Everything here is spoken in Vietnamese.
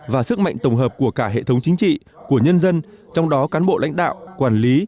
và sức mạnh tổng hợp của cả hệ thống chính trị của nhân dân trong đó cán bộ lãnh đạo quản lý